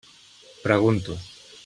Pregunto.